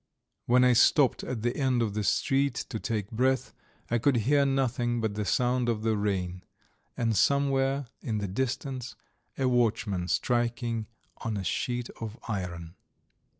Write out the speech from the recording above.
When I stopped at the end of the street to take breath I could hear nothing but the sound of the rain, and somewhere in the distance a watchman striking on a sheet of iron.